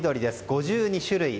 ５２種類。